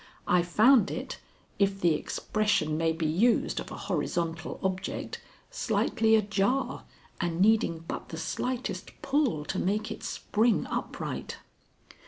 I found it, if the expression may be used of a horizontal object, slightly ajar and needing but the slightest pull to make it spring upright.